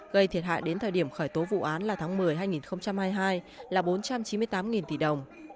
gây thiệt hại đến thời điểm khởi tố vụ án là tháng một mươi hai nghìn hai mươi hai là bốn trăm chín mươi tám tỷ đồng